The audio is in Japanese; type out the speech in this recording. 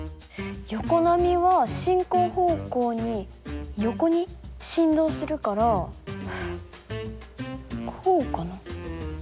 横波は進行方向に横に振動するからこうかな？